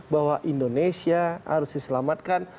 bahwa indonesia harus diselamatkan